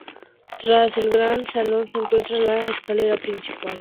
Tras el gran salón se encuentra la escalera principal.